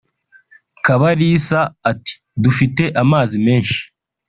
Kabalisa ati “Dufite amazi menshi